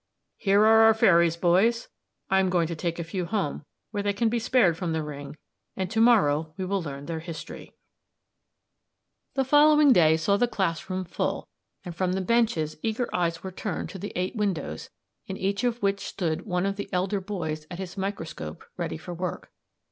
"Here are our fairies, boys. I am going to take a few home where they can be spared from the ring, and to morrow we will learn their history." The following day saw the class room full, and from the benches eager eyes were turned to the eight windows, in each of which stood one of the elder boys at his microscope ready for work.